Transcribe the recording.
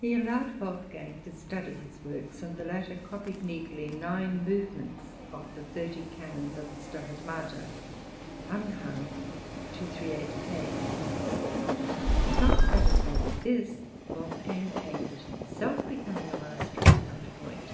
He allowed Wolfgang to study his works; and the latter copied neatly nine movements of the thirty canons of the "Stabat Mater." (Anh. 238 K.) Not satisfied with this, Wolfgang aimed at himself becoming a master of counterpoint.